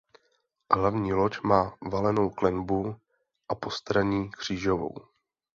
Hlavní loď má valenou klenbu a postranní křížovou.